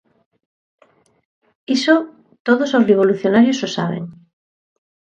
Iso todos os revolucionarios o saben.